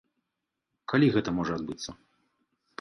Калі гэта можа адбыцца?